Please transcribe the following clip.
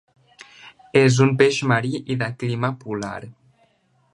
És un peix marí i de clima polar.